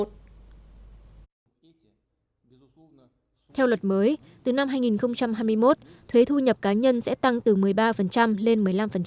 theo luật mới từ năm hai nghìn hai mươi một thuế thu nhập cá nhân sẽ tăng từ một mươi ba lên một mươi năm